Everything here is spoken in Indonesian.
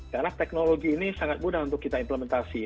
karena teknologi ini sangat mudah untuk kita implementasi